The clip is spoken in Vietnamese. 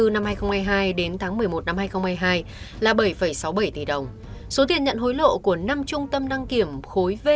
năm hai nghìn hai mươi hai đến tháng một mươi một năm hai nghìn hai mươi hai là bảy sáu mươi bảy tỷ đồng số tiền nhận hối lộ của năm trung tâm đăng kiểm khối v